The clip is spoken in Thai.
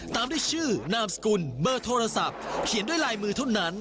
ตามด้วยชื่อนามสกุลเบอร์โทรศัพท์เขียนด้วยลายมือเท่านั้น